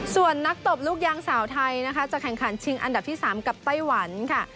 ส่วนนักตบลูกยางสาวไทยนะคะจะแข่งขันชิงอันดับที่๓กับไต้หวันค่ะ